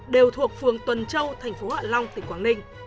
đều thuộc phường tuần châu tp hcm tp hcm